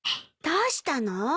どうしたの？